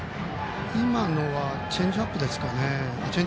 今のはチェンジアップですね。